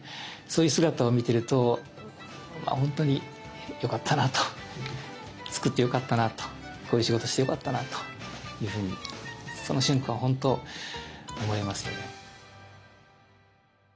そういう姿を見ていると本当によかったなと作ってよかったなとこういう仕事をしてよかったなというふうにその瞬間は本当思いますよね。